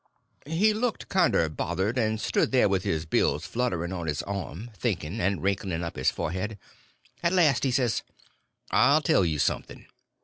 He looked kinder bothered, and stood there with his bills fluttering on his arm, thinking, and wrinkling up his forehead. At last he says: "I'll tell you something.